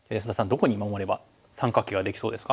どこに守れば三角形ができそうですか？